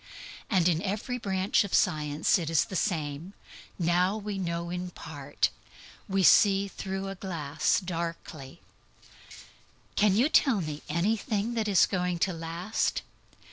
And in every branch of science it is the same. "Now we know in part. We see through a glass darkly." Knowledge does not last. Can you tell me anything that is going to last?